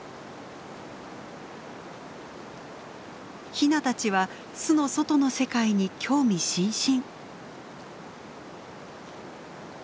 ヒナたちは巣の外の世界に興味津々。